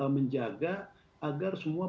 menjaga agar semua